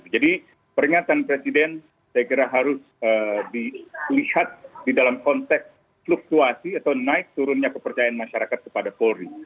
jadi peringatan presiden saya kira harus dilihat di dalam konteks fluktuasi atau naik turunnya kepercayaan masyarakat kepada polri